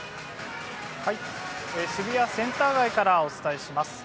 渋谷センター街からお伝えします。